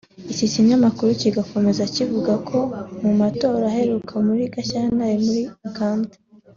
Iki kinyamakuru gikomeza kivuga ko mu matora aheruka muri Gashyantare muri Uganda